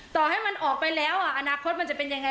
ต่อให้มันออกไปแล้วอนาคตมันจะเป็นยังไง